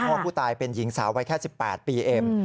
ว่าผู้ตายเป็นหญิงสาววัยแค่๑๘ปีเอง